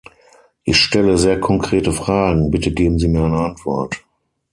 Ich stelle sehr konkrete Fragen, bitte geben Sie mir eine Antwort.